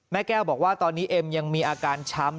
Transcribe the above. แม่แก้วบอกว่าตอนนี้เอ็มยังมีอาการช้ำ